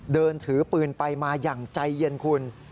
เดินถือปืนไปมาอย่างใจเย็นคุณ